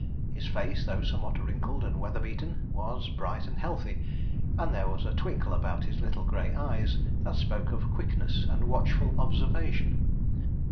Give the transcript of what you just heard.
His face, though somewhat wrinkled and weather beaten, was bright and healthy; and there was a twinkle about his little grey eyes that spoke of quickness and watchful observation.